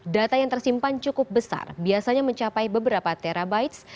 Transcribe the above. data yang tersimpan cukup besar biasanya mencapai beberapa terabites